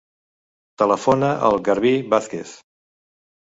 Telefona al Garbí Vazquez.